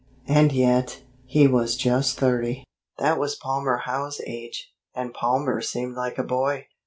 And yet, he was just thirty. That was Palmer Howe's age, and Palmer seemed like a boy.